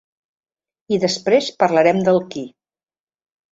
I després parlarem del qui.